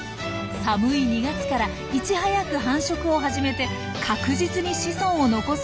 寒い２月からいち早く繁殖を始めて確実に子孫を残そうとしていたんです。